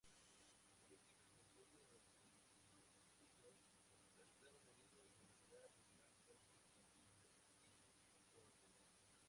En múltiples ocasiones, los Elegidos resultaron heridos de gravedad, revelando sus Digi-Codes.